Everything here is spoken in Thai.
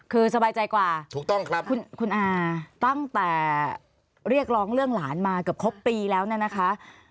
คือสบายใจกว่าถูกต้องครับคุณอาตั้งแต่เรียกร้องเรื่องหลานมาเกือบครบปีแล้วเนี่ยนะคะ